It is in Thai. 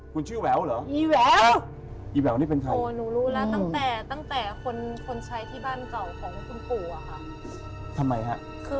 คือตอนนั้นคุณพ่อแต่งงานกับคุณแม่ค่ะ